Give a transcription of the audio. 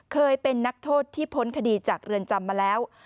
เคยเป็นนักโทษที่พ้นคดีจากเรือนจำมาแล้ว